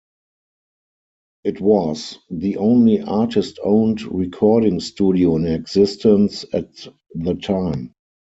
It was the only artist-owned recording studio in existence at the time.